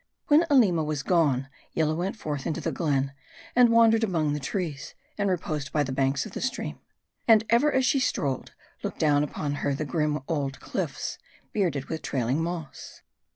When Aleema was gone, Yillah went forth into foe glen, and wandered among the trees, and reposed by the banks of the stream. And ever as she strolled, looked down upon her the grim old cliffs, bearded with trailing moss.